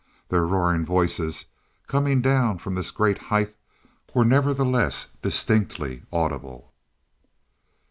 Their roaring voices, coming down from this great height, were nevertheless distinctly audible.